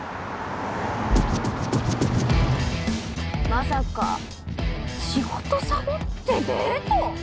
まさか仕事サボってデート